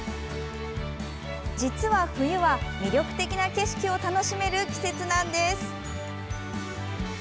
実は、冬は魅力的な景色を楽しめる季節なんです。